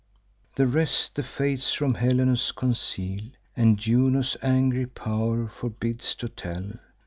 The rest the fates from Helenus conceal, And Juno's angry pow'r forbids to tell.